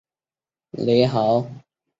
雷豪是德国巴伐利亚州的一个市镇。